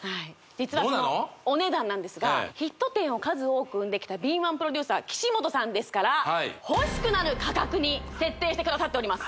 実はそのお値段なんですがヒット店を数多く生んできた敏腕プロデューサー岸本さんですから欲しくなる価格に設定してくださっております